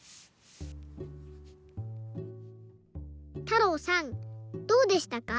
たろうさんどうでしたか？